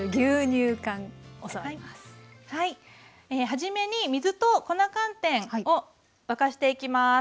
初めに水と粉寒天を沸かしていきます。